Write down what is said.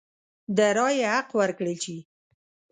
د رایې حق ورکړل شي.